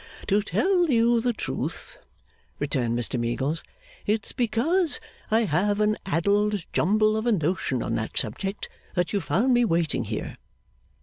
'To tell you the truth,' returned Mr Meagles, 'it's because I have an addled jumble of a notion on that subject that you found me waiting here.